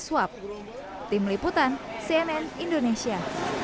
swab tim liputan cnn indonesia